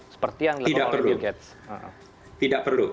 seperti yang dilakukan oleh bill gates